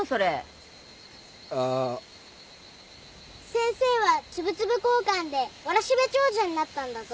先生はつぶつぶこーかんでわらしべ長者になったんだぞ。